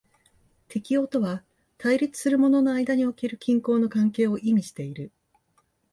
適応とは対立するものの間における均衡の関係を意味している。